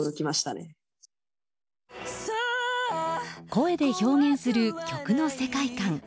声で表現する曲の世界観。